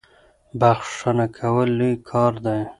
بخښنه کول لوی کار دی.